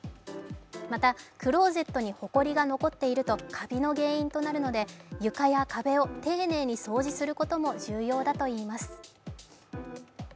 また、クローゼットにほこりが残っているとカビの原因となるので、床や壁を丁寧に掃除することも重要だといいます。